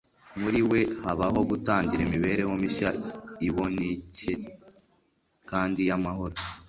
Muri we, habaho gutangira imibereho mishya iboncye kandi y'amahoro,